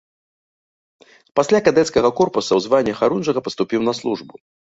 Пасля кадэцкага корпуса ў званні харунжага паступіў на службу.